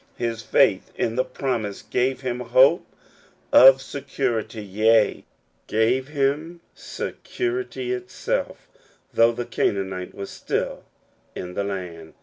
His faith in the promise gave him hope of security, yea, gave him security itself, though the Canaanite was still in the land.